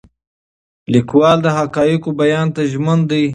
لیکوال د حقایقو بیان ته ژمن دی.